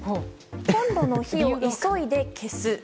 コンロの火を急いで消す。